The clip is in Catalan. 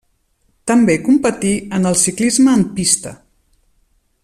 També competí en el ciclisme en pista.